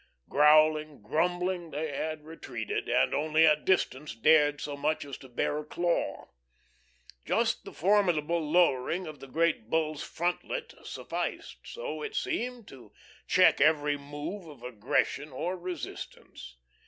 Growling, grumbling they had retreated, and only at distance dared so much as to bare a claw. Just the formidable lowering of the Great Bull's frontlet sufficed, so it seemed, to check their every move of aggression or resistance.